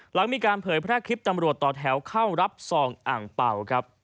หลังมีการเผยแพร่คลิปตำรวจต่อแถวเข้ารับซองอ่างเป่าครับ